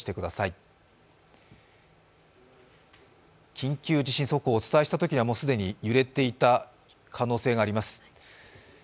緊急地震速報をお伝えしたときには既に揺れていた可能性があります。